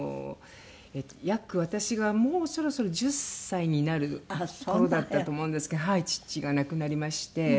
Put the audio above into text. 約私がもうそろそろ１０歳になる頃だったと思うんですけど父が亡くなりまして。